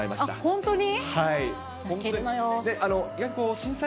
本当に？